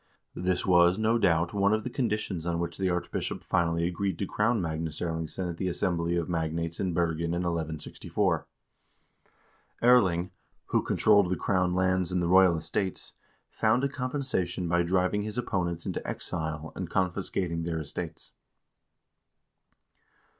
This was, no doubt, one of the con ditions on which the archbishop finally agreed to crown Magnus Erlingsson at the assembly of magnates in Bergen in 1164. Erling, who controlled the crown lands and the royal estates, found a com pensation by driving his opponents into exile and confiscating their estates.